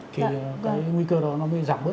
thì cái nguy cơ đó nó mới giảm bớt